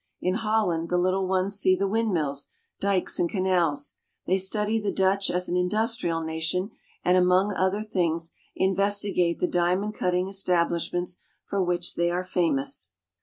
In Holland the little ones see the windmills, dikes, and canals; they study the Dutch as an industrial nation, and among other things investigate the diamond cutting establishments for which they are famous.